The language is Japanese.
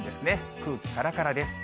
空気からからです。